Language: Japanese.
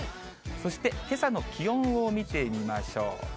そして、けさの気温を見てみましょう。